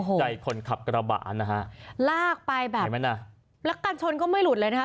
จิตใจคนขับกระบาดนะฮะลากไปแบบแล้วกันชนก็ไม่หลุดเลยนะฮะ